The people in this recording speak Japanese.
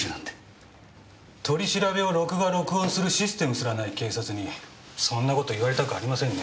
取り調べを録画録音するシステムすらない警察にそんな事言われたくありませんね。